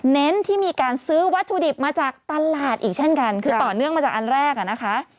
เน้นที่มีการซื้อวัตถุดิบมาจากตลาดอีกเช่นกันคือต่อเนื่องมาจากอันแรกอ่ะนะคะ